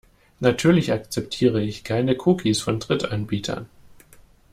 Natürlich akzeptiere ich keine Cookies von Drittanbietern.